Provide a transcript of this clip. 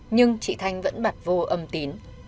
nhưng chị thanh vẫn bặt vô âm tín